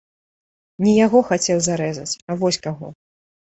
Не яго хацеў зарэзаць, а вось каго.